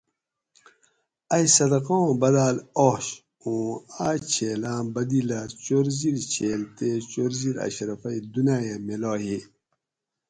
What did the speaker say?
ائ صدقاں بداۤل آش اُوں اۤ چھیلاۤں بدِلہ چور زیر چھیل تے چور زیر اشرفئ دُناۤیہ میلا ہی